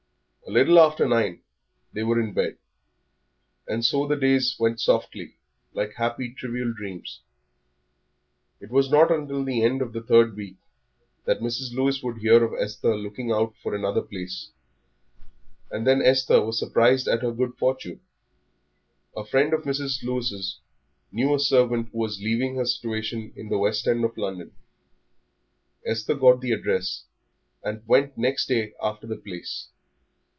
A little after nine they were in bed, and so the days went softly, like happy, trivial dreams. It was not till the end of the third week that Mrs. Lewis would hear of Esther looking out for another place. And then Esther was surprised at her good fortune. A friend of Mrs. Lewis's knew a servant who was leaving her situation in the West End of London. Esther got the address, and went next day after the place.